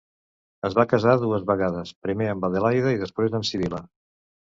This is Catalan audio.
Es va casar dues vegades, primer amb Adelaida i després amb Sibil·la.